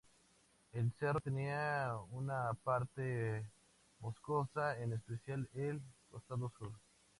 El cerro tenía una parte boscosa, en especial en el costado sur.